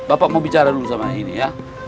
bapak mau bicara dulu sama ini ya